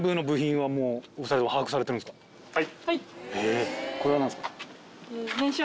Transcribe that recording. はい。